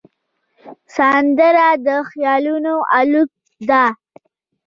سندره د خیالونو الوت ده